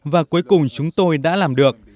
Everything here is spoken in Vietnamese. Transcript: và cuối cùng chúng tôi đã làm được